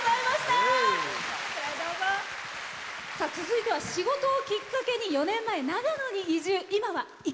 続いては仕事きっかけに４年前、長野に移住。